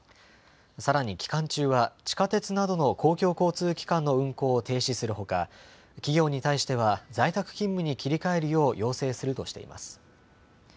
さらに期間中は地下鉄などの公共交通機関の運行を停止するほか企業に対しては在宅勤務に切り替えるよう要請するとしています。